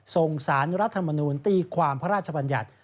ส่งสารรัฐมนูลตีความพระราชบัญญัติ